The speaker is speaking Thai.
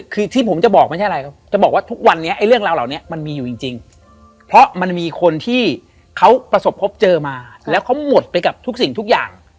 คือที่ผมจะบอกไม่ใช่อะไรครับจะบอกว่าทุกวันนี้ไอ้เรื่องราวเหล่านี้มันมีอยู่จริงเพราะมันมีคนที่เขาประสบพบเจอมาแล้วเขาหมดไปกับทุกสิ่งทุกอย่าง